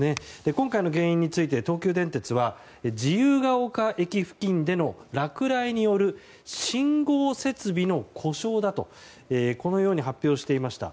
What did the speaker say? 今回の原因について東急電鉄は自由が丘駅付近での落雷による信号設備の故障だと発表していました。